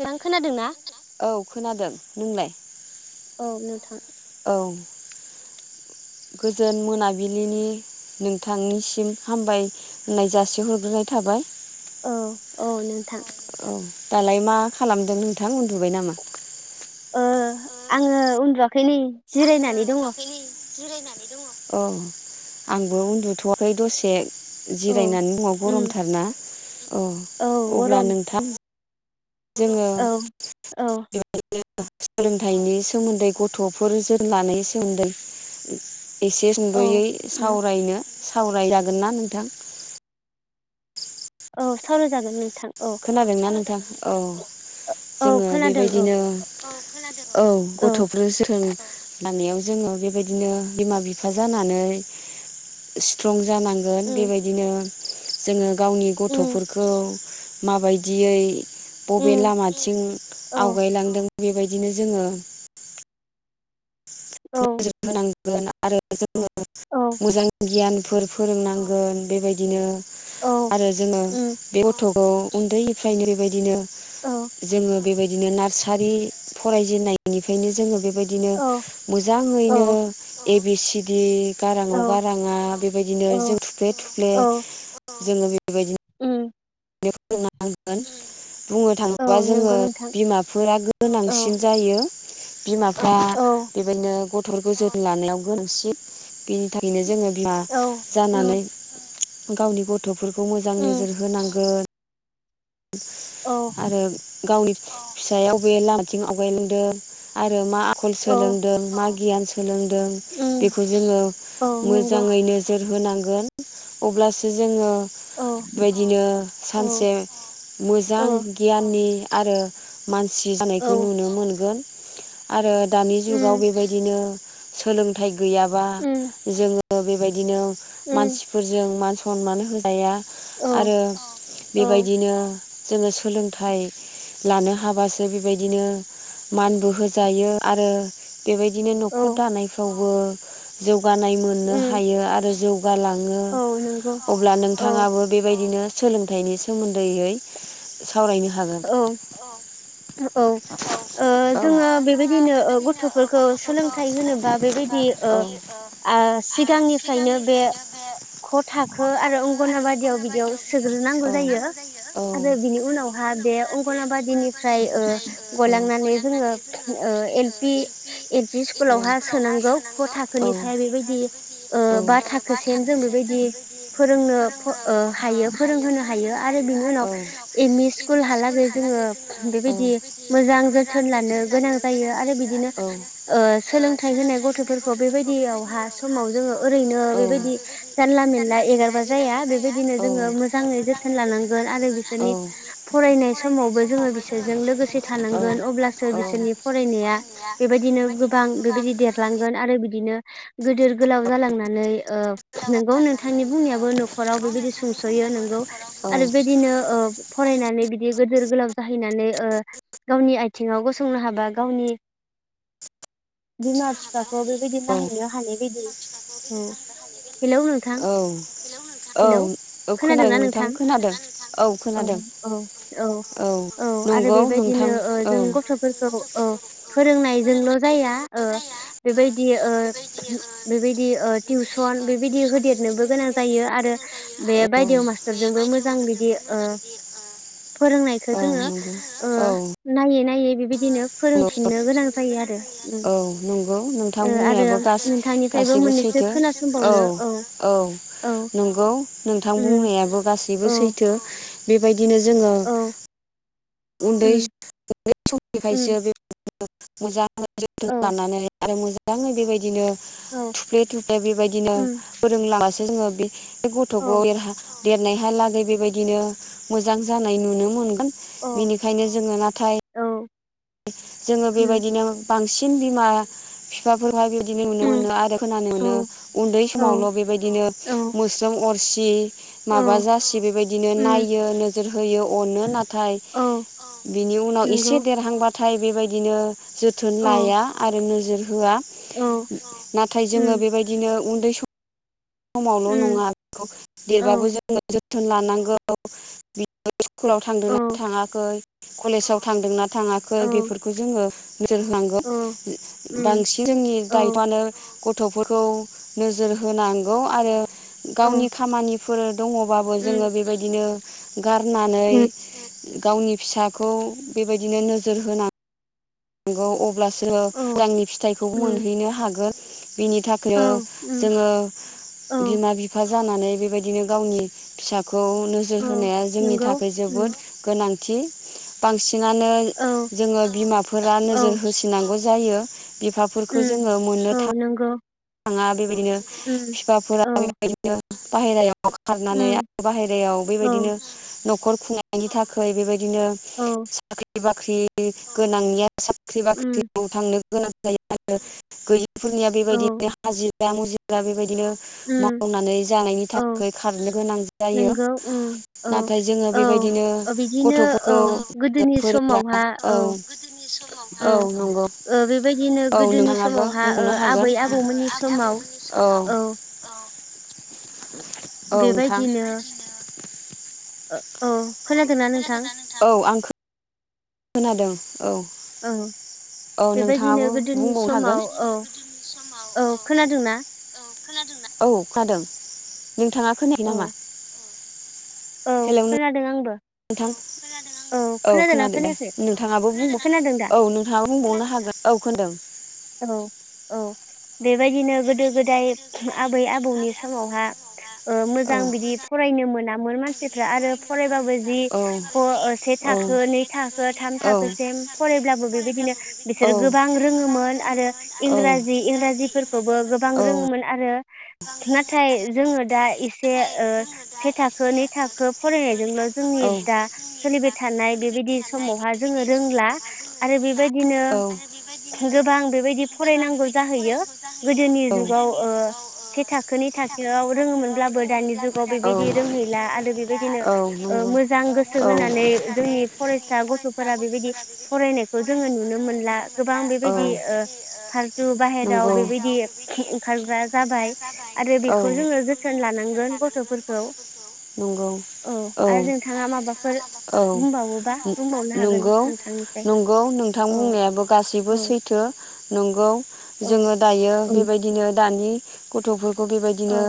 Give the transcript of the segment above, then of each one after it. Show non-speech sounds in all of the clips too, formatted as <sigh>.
नोंथां खोनादों ना? औ खोनादों। नोंलाय? औ नोंथां। औ गोजोन मोनाबिलिनि नोंथांनिसिम हामबाय होननाय जासिहरग्रोनाय थाबाय। औ औ नोंथां औ दालाय मा खालामदों नोंथां उन्दुबाय नामा? ओ आङो उन्दुवाखैलै जिरायनानै दङ। औ आंबो उन्दुथ'वाखै दसे औ जिरायनानै दङ' उम गरमथारना अ औ अब्ला गरम नोंथां जोङो <unintelligible> औ औ <unintelligible> सोलोंथायनी सोमोन्दै गथ'फोर <unintelligible> एसे औ सुंद'यै उम सावरायनो सावरायजागोन ना नोंथां? औ सावराय जागोन नोंथां। औ खोनादोंना नोंथां? औ औ जोङो खोनादों औ बेबायदिनो औ गथ'फोर जोथोन लानायाव जोङो बेबायदिनो बिमा बिफा जानानै स्ट्रं जानांगोन उम बेबायदिनो जोङो गावनि उम गथ'फोरखौ माबायदियै बबे उम लामाथिं औ आवगायलांदों बेबायदिनो जोङो औ आरो जोङो औ मोजां गियानफोर फोरोंनांगोन बेबायदिनो औ आरो जोङो उम बे गथ'खौ उन्दैनिफ्रायनो बेबायदिनो औ जोङो बेबायदिनो नार्सारि फरायजेननायनिफ्रायनो जोङो बे बायदिनो औ मोजाङैनो औ ए बि सि डि गारां अ औ गारां आ बेबायदिनो औ जों थुफ्ले थुफ्ले औ जोङो बेबाय उम। दिनो फोरोंनांगोन। बुंनो औ थाङोबा जोङो नंगौ नोंथां बिमाफोरा औ गोनांसिन जायो। बिमा फ्रा औ बेबायदिनो गथ'फोरखौ जोथोन लानायाव गोनांसिन। बेनि थाखायनो जोङो बिमा औ जानानै उम गावनि गथ'फोरखौ मोजां उम नोजोर होनांगोन। औ आरो गावनि फिसायाव बबे लामाथिं आव गायलांदों आरो मा आखल औ सोलोंदों मा गियान सोलों दों उम बेखौ जोङो औ नंगौ मोजाङै नोजोर होनांगोन। अब्लासो जोङो औ बेबादिनो औ सानसे मोजां औ गियाननि आरो मानसि जानायखौ औ नुनो मोनगोन। आरो दानि जुगाव उम बेबायदिनो सोलोंथाइ गैयाबा उम जोङो बेबायदिनो उम मानसिफोरजों मान सनमान होजाया। औ आरो औ बेबायदिनो जोङो सोलोंथाइ लानो हाबासो बेबायदिनो मानबो होजायो। आरो बेबायदिनो न'खर औ दानायफ्रावबो जौगानाय मोननो उम हायो आरो जौ गालाङो औ नंगौ अब्ला औ नोंथाङाबो बेबायदिनो सोलोंथाइनि सोमोन्दैयै सावरायनो हागोन औ औ। ओ जोङो बेबायदिनो ओ गथ'फोरखौ सोलोंथाइ होनोबा बेबायदि ओ ओ सिगांनिफ्रायनो बे ख थाखो आरो अंगनाबादियाव बिदियाव सोग्रोना नागौ जायो आरो बिनि उनाव हा बे अंगनाबादिनिफ्राय ओ ओ गलांनानै जोङो ओ एल पि एल पि स्कुलावहा सोनांगौ क' थाखोनिफ्राय बेबायदि ओ बा थाखोसिम जों बेबायदि फोरोंनो फ ओ हायो फोरोंहोनो हाय यो आरो बिनि उनाव एम इ स्कुलहालागै जोङो बेबायदि मोजां जो थोन लानो गोनां जायो आरो बिदिनो ओ सोलोंथाइ होनाय गथ'फोरखौ बेबायदियावहा समाव जोङो ओरैनो बेबायदि जानला मेनला एगारबा जाया। बेबायदिनो जोङो मोजाङै जोथोन लानांगोन आरो बिसोरनि फरायनाय समावबो जोङो बिसोरजों लोगोसे थानां गोन अब्लासो बिसोरनि फरायनाया बेबायदिनो गोबां बेबायदि देरलांगोन आरो बिदिनो गिदिर गोलाव जालांनानै ओ नोंगौ नोंथांनि बुंनायाबो न'खराव बेबायदि सुंस'यो नोंगौ आरो बेबायदिनो ओ फरायनानै बिदि गोदोर गोलाव जाहैनानै ओ गावनि आय थिङाव गसंनो हाबा गावनि बिमा बिफा खौ बेबायदि नोंगौ नायहैनो हानाय बादि औ। हेलौ नोंथां? बायदि औ हेलौ औ खोनादों खोनादोंना नोंथां? अ। खोनादों औ औ औ आरो नंगौ बेबायदिनो ओ जों गथ'फोरखौ औ फोरोंनायजोंल' जाया। ओ बेबायदि ओ बेबायदि ओ टिउस सन बेबायदि होदेरनोबो गोनां जायो आरो बे औ बायदेव मास्टारजोंबो मोजां बिदि ओ फोरोंनायखौ औ जोङो नंगौ ओ औ नायै नायै बिद दिनो नंगौ फोरोंफिननो गोनां जायो आरो औ नंगौ नोंथां आरो बुंनायाबो नोंथांनिफ्रायबो गासैबो मोननैसो सैथो खोनासंबावनो औ औ औ नंगौ नोंथां उम बुंनायाबो गासैबो औ सैथो बेबायदिनो जोङो औ उन्दै उम उन्दै उम समनिफ्रायसो बे मोजाङै जोथोन औ लानानै आरो मोजाङै बेबायदिनो औ थुफ्ले थुफ्ले बेबायदिनो उम फोरोंलाङासो जोङो बे बे औ गथ'खौहा देरनायहालागै बेबायदिनो मोजां जानाय नुनो मोनगोन औ बिनिखायनो जोङो नाथाय औ जोङो उम बेबायदिनो बांसिन बिमा बिफाफोर खौहाय बेदिनो नुनो उम मोनो आरो खोनानो मोनो औ उन्दै औ समावल' बेबायदिनो औ मोस्रोम अरसि औ माबा जासि बेबायदिनो उम नायो नोजोर होयो अनो नाथाय औ बिनि उनाव एसे नंगौ देरहांबाथाय बेबायदिनो जोथोन औ लाया आरो नोज होआ औ नाथाय जोङो उम बेबायदिनो उन्दै सम समावल' उम नङा औ देरबाबो जोङो जोथोन लानांगौ बि स्कुलाव थांदोंना औ थाङाखै कलेजाव थांदोंना थाङाखै औ बेफोरखौ जोङो नोजोर होनांगौ औ उम बांसिन जोंनि औ दाइफआनो गथ'फोरखौ नोजोर होनांगौ आरो औ गावनि खामानिफोर दङबाबो उम जोङो बेबायदिनो उम गारनानै गावनि फिसाखौ बेबायदिनो नोजोर होनां नांगौ अब्लासो औ मोजांनि फिथाइखौ उम मोनहैनो हागोन बिनि थाखाय ओ औ उम जोङो औ बिमा बिफा जानानै बेबायदिनो गावनि फिसाखौ नोजोर औ होनाया जोंनि नंगौ थाखाय उम जोबोद गोनां थि बांसिनानो औ जोङो बिमाफोरा औ नोजोर होसिनांगौ जायो बिफाफोरखौ उम जोङो मोननो औ था नंगौ ङा बेबायदिनो उम बिफाफोरा औ बेबायदिनो बाहेरायाव खारनानै उम आरो बाहेरायाव बेबायदिनो न'खर खुंनायनि थाखाय बेबायदि बिदिनो औ साख्रि बाख्रि गोनांनिया साख्रि उम बाख्रियाव थांनो गोनां जायो आरो गैयिफोरनिया औ बेबायदि हाजिरा मुजिरा बेबायदिनो उम मावनानै जानायनि औ थाखाय खारनो गोनां जा जायो नंगौ उम औ नाथाय जोङो औ बेबायदिनो बिदिनो औ गथ'फोरखौ गोदोनि फोरों समावहा औ औ नंगौ ओ बेबायदिनो औ नोंथाङाबो बुंबावनो हागोन। मोननि समाव औ। औ नोंथां। <unintelligible> ओ औ खोनादों ना नोंथां? औ आं खोनादों औ। औ औ बेबायदिनो नोंथाङाबो गोदोनि बुंबावनो हागोन। समाव औ औ खोनादोंना? औ खोनादों नोंथाङा खोनायाखै औ नामा? औ हेलौ खोनादों आं नोंथां, खोनादों आंबो। औ खोनादोंना खोनादों दे खोनायाखै नोंथाङाबो खोनादों दा औ नोंथाङाबो बुंबावनो हागोन औ खोनादों। औ औ। बेबायदिनो गोदो गोदाय आबै आबौनि समावहा ओ औ मोजां बिदि फरायनो मोनामोन मानसिफ्रा आरो फरायबाबो बेदि क ओ से थाखो नै थाखो थाम थाखोसिम फरायब्लाबो बेबायदिनो बि गोबां रोङोमोन आरो इंराजि इंराजिफोरखौबो गोबां रोङोमोन आरो। दिनो नाथाय जोङो दा एसे ओ से थाखो नै थाखो फरायनायजोंल' जोंनि दा सोलिबाय थानाय बेबायदि समावहा जोङो रोंला आरो बे बेबायदिनो आरो गोबां दि फरायनांगौ जाहैयो गोदोनि जुगाव ओ से थाखो नै थाखोआव रोङोमोन अब्लाबो दानि जुगाव बेबादि रोंहैला आरो बेबादिनो ओ मोजां गोसो बेबायदिनो होनानै जों नि फरायसा गथ'फोरा बेबायदि फरायनायखौ जोङो नुनो मोनला गोबां बेबायदि ओ <unintelligible> फालथु बाहेराव बेबायदि ओंखारग्रा जाबाय आरो बेखौ जोङो जोथोन लानां लानांगोन <unintelligible> नंगौ। औ आरो नोंथाङा माबाफोर औ बुंबावोबा बुंबावनो हागोन नंगौ, नोंथांनिफ्राय नंगौ नोंथां औ बुंनायाबो गासैबो औ सैथो। नंगौ। औ जोङो दायो औ बेबायदिनो दानि गथ'फोरखौ बेबायदिनो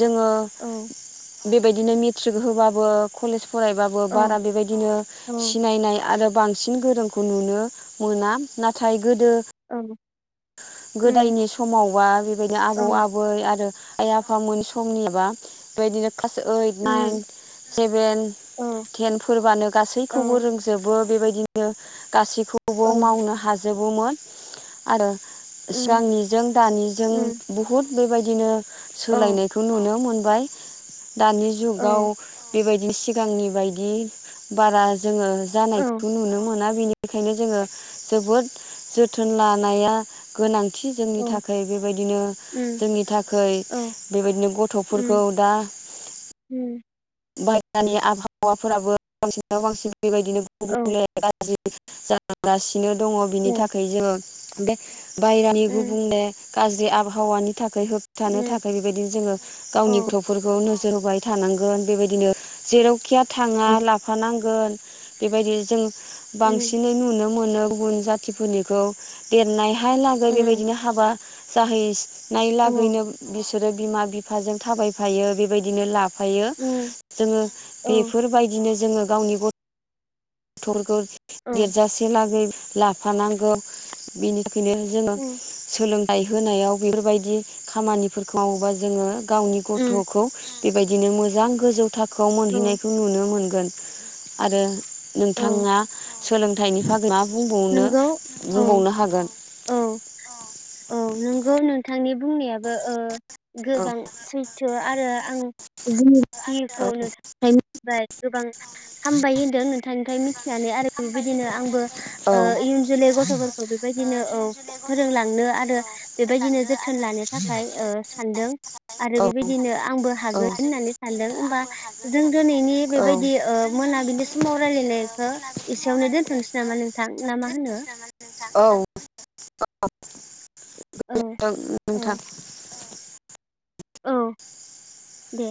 जोङो औ <inaudible> बेबायदिनो मेट्रिक होबाबो कलेज फरायबाबो औ बारा बेबायदिनो नंगौ सिनायनाय आरो बांसिन गोरोंखौ नुनो मोना नाथाय गोदो गोदायनि समावबा बेबायदिनो आबौ आबै आरो आइ आफामोन समनियाबा बेबायदिनो क्लास ओइट, नाइन, सेभेन, औ टेनफोरबानो गासैखौबो रोंजोबो। बेबायदिनो गासैखौबो मावनो हाजोबोमोन, आरो सिगांनिजों दानिजों बुहुद बेबायदिनो सोलायनायखौ नुनो मोन बाय दानि जुगाव बेबायदि सिगांनि बायदि बारा जोङो जानायखौ नुनो मोना। बिनिखायनो जोङो जोबोद जोथोन लानाया गोनां थि जोंनि थाखाय बेबायदिनो जोंनि थाखै बेबायदिनो गथ'फोरखौ दा बाहेरानि आबहावाफोराबो बांसिनाव बांसिन बेबायदिनो गुबुंले गाज्रि जागासिनो दङ' बिनि थाखाय जोङो बे बायेरानि गुबुंले गाज्रि आबहावानि थाखाय होबथानो थाखाय बेबायदिनो जोङो गावनि गथ'फोरखौ नोजोर होबाय थानांगोन बेबायदिनो जेरावखिया थाङा लाफानां गोन बेबादि जोङो बांसिनै नुनो मोनो गुबुन जाथिनिखौ देरनायहाय लागै बेबायदिनो हाबा जाहै नाय लागैनो बिसोरो बिमा बिफाजों थाबायफायो बेबायदिनो लाफायो। जोङो बेफोरबायदिनो जोङो गावनि गथ' थरखौ देरजासे लागै लाफानांगौ बेनि थाख बिनो जोङो सोलोंथाइ होनायाव बेफोरबायदि खामानिफोरखौ मावोबा जोङो गावनि गथ'खौ बेबायदिनो मोजां गोजौ थाखोआव मोनहैनायखौ नुनो मोन गोन आरो नोंथाङा सोलोंथाइनि बागै मा बुं बुंनो बुंबावनो हागोन। औ औ नंगौ नोंथांनि बुंनायाबो ओह गोबां सैथो आरो आं <unintelligible> गोबां हामबाय होनदों नोंथांनिफ्राय मिथिनानै आरो बेबायदिनो आंबो औ इयुन जोलै गथ'फोरखौ बेबायदिनो औ फोरोंलांनो आरो बेबायदिनो जोथोन लानो थाखाय सानदों आरो औ बेबायदिनो आंबो हागोन होननानै सानदों होमबा जों दिनैनि औ बेबायदि मोनाबिलि समाव रायलायनायखौ एसेयावनो दोन्थ'नोसै नामा नोंथां। थां ना मा होनो? औ औ औ गोजोनथों औ नोंथां। औ दे।